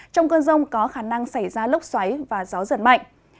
trong cơn rông có khả năng xảy ra lốc xoáy và gió giật mạnh